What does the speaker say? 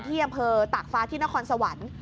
ที่อำเภอตากฟ้าที่นครสวรรค์